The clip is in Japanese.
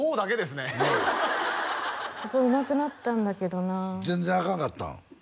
すごいうまくなったんだけどな全然アカンかったん？